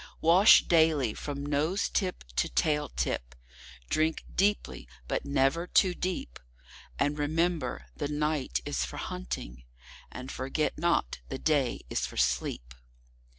Wash daily from nose tip to tail tip; drink deeply, but never too deep; And remember the night is for hunting, and forget not the day is for sleep.